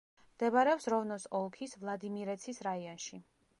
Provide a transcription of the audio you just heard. მდებარეობს როვნოს ოლქის ვლადიმირეცის რაიონში.